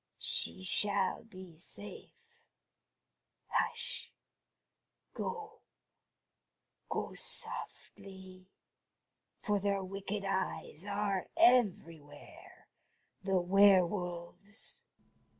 She shall be safe. Hush! Go, go softly, for their wicked eyes are everywhere, the were wolves!"